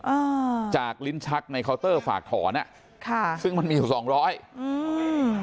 อ่าจากลิ้นชักในเคาน์เตอร์ฝากถอนอ่ะค่ะซึ่งมันมีอยู่สองร้อยอืม